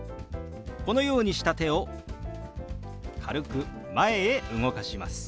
このようにした手を軽く前へ動かします。